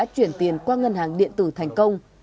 chuyển tiền qua ngân hàng điện tử thành công